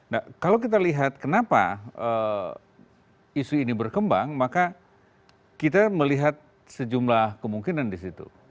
nah kalau kita lihat kenapa isu ini berkembang maka kita melihat sejumlah kemungkinan di situ